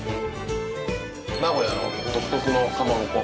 名古屋の独特のかまぼこ。